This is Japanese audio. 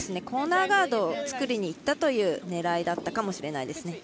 コーナーガードを作りにいったという狙いだったかもしれないです。